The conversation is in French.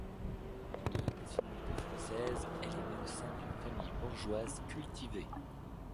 De nationalité française, elle est née au sein d’une famille bourgeoise cultivée.